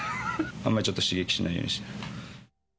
あんまりちょっと刺激しないように。